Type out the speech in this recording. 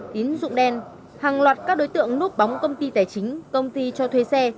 tín dụng đen hàng loạt các đối tượng núp bóng công ty tài chính công ty cho thuê xe